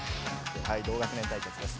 同学年対決です。